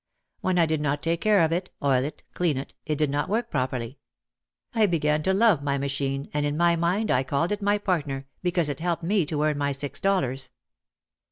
When I did not take care of it, oil it, clean it, it did not work properly. I began to love my machine and in my mind I called it my partner because it helped me to earn my six dollars.